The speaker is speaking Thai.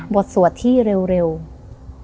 บทสวดที่เร็วเร็วอ่า